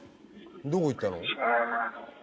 どこ行ったの？